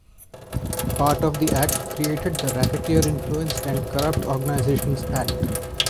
Part of the Act created the Racketeer Influenced and Corrupt Organizations Act.